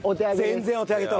全然お手上げと。